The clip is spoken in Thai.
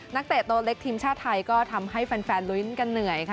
เตะโตเล็กทีมชาติไทยก็ทำให้แฟนลุ้นกันเหนื่อยค่ะ